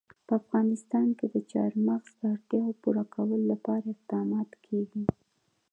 په افغانستان کې د چار مغز د اړتیاوو پوره کولو لپاره اقدامات کېږي.